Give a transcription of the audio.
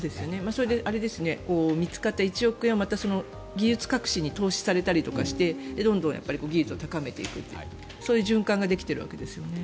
それで見つかった１億円をまた技術革新に投資されたりしてどんどん技術を高めていくという循環ができているわけですよね。